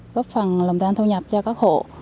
góp phần lồng tăng thu nhập cho các hộ